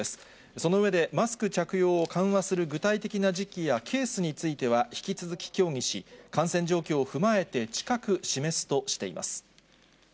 その上で、マスク着用を緩和する具体的な時期やケースについては引き続き協議し、感染状況を踏まえて、近く示すとしています。